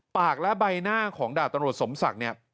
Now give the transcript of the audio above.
ปากและใบหน้าของดาบตำรวจสมศักดิ์เนี่ย